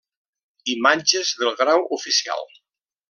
Imatges del grau Oficial.